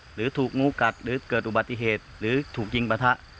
หรือถูกงูกัดหรือเกิดอุบัติเหตุหรือถูกยิงปะทะ